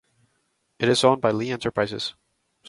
It is owned by Lee Enterprises.